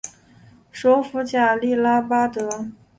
首府贾利拉巴德。